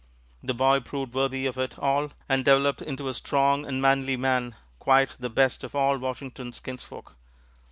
The boy proved worthy of it all, and developed into a strong and manly man quite the best of all Washington's kinsfolk.